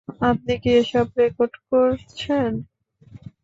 আপনি কি এসব রেকর্ড করছেন?